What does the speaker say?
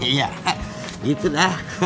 iya gitu dah